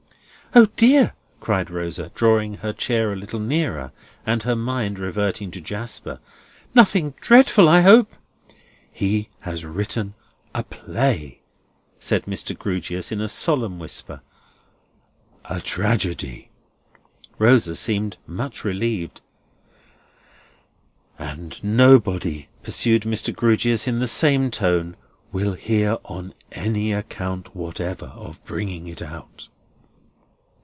"O dear!" cried Rosa, drawing her chair a little nearer, and her mind reverting to Jasper, "nothing dreadful, I hope?" "He has written a play," said Mr. Grewgious, in a solemn whisper. "A tragedy." Rosa seemed much relieved. "And nobody," pursued Mr. Grewgious in the same tone, "will hear, on any account whatever, of bringing it out."